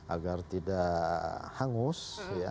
agar tidak hangus